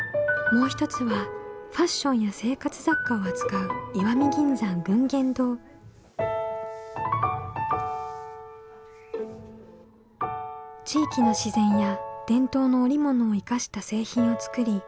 もう一つはファッションや生活雑貨を扱う地域の自然や伝統の織物を生かした製品を作り